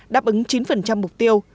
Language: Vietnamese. đáp ứng chín mục tiêu